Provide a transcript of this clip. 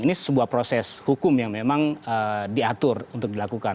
ini sebuah proses hukum yang memang diatur untuk dilakukan